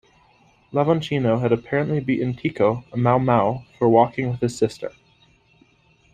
Lavonchino had apparently beaten Tico, a Mau Mau, for walking with his sister.